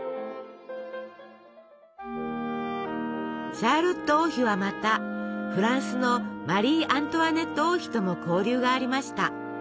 シャーロット王妃はまたフランスのマリー・アントワネット王妃とも交流がありました。